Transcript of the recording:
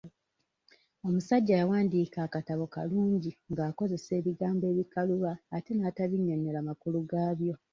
Omusajja yawandiika akatabo kalungi ng'akozesa ebigambo ebikaluba ate n'atabinnyonyola makulu gaabyo.